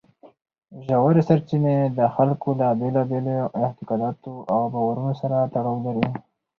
ژورې سرچینې د خلکو له بېلابېلو اعتقاداتو او باورونو سره تړاو لري.